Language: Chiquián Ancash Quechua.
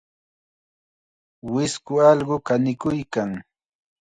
Wisku allqu kanikuykan.